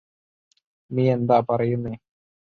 നീയെന്താ പറയുന്നേ